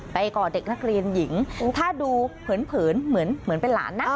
ก่อเด็กนักเรียนหญิงถ้าดูเผินเหมือนเป็นหลานนะ